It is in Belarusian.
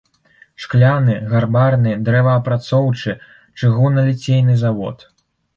Шкляны, гарбарны, дрэваапрацоўчы, чыгуналіцейны заводы.